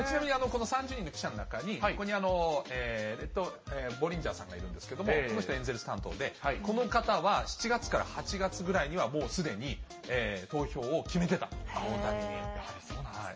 ちなみにこの３０人の記者の中に、ボリンジャーさんがいるんですけれども、この人エンゼルス担当で、この方は７月から８月ぐらいにはもうすでに投票を決めてやはりそうなんですね。